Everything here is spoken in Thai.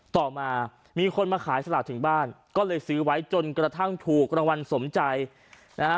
ต่อมามีคนมาขายสลากถึงบ้านก็เลยซื้อไว้จนกระทั่งถูกรางวัลสมใจนะฮะ